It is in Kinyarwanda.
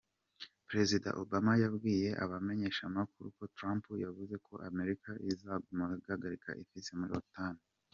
Prezida Obama yabwiye abamenyeshamakuru ko Trump yavuze ko Amerika izogumana igihagararo ifise muri Otan.